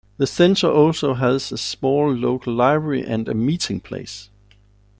The centre also has a small local library and a meeting place.